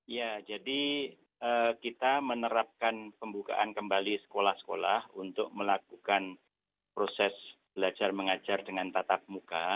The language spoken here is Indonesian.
ya jadi kita menerapkan pembukaan kembali sekolah sekolah untuk melakukan proses belajar mengajar dengan tatap muka